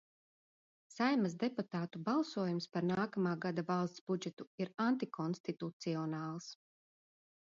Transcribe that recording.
Saeimas deputātu balsojums par nākamā gada valsts budžetu ir antikonstitucionāls.